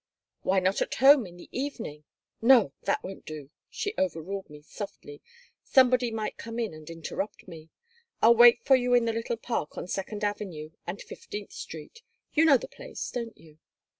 "Why not at home, in the evening?" "No. That won't do," she overruled me, softly. "Somebody might come in and interrupt me. I'll wait for you in the little park on Second Avenue and Fifteenth Street. You know the place, don't you?"